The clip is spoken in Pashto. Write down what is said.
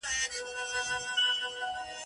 نه نه غلط سوم وطن دي چین دی